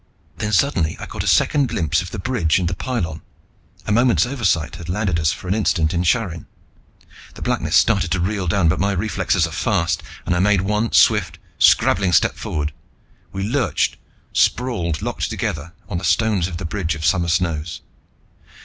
Then suddenly I caught a second glimpse of the bridge and the pylon; a moment's oversight had landed us for an instant in Charin. The blackness started to reel down, but my reflexes are fast and I made one swift, scrabbling step forward. We lurched, sprawled, locked together, on the stones of the Bridge of Summer Snows.